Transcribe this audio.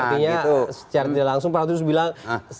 oke artinya secara tidak langsung pak rufus bilang